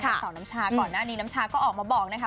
สาวน้ำชาก่อนหน้านี้น้ำชาก็ออกมาบอกนะคะ